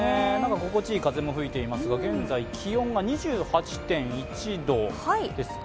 心地いい風も吹いていますが、現在、気温が２８．１度ですか。